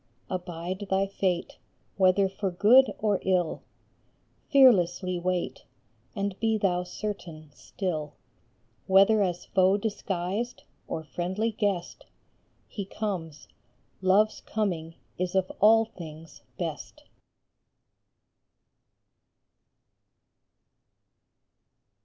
Abide thy fate, whether for good or ill ; Fearlessly wait, and be thou certain still, Whether as foe disguised or friendly guest He comes, Love s coming is of all things best.